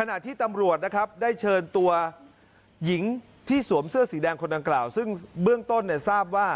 ขณะที่ตำรวจนะครับได้เชิญตัวหญิงที่สวมเสื้อสีแดงคนดังกล่าวซึ่งเบื้องต้นเนี่ยทราบว่า